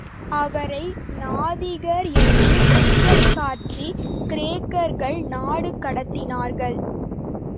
அவரை நாத்திகர் என்று குற்றம் சாட்டி, கிரேக்கர்கள் நாடு கடத்தினார்கள்.